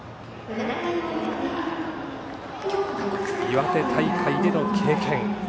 岩手大会での経験。